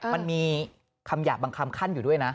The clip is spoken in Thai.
มันมีคำหยาบบางคำขั้นอยู่ด้วยนะ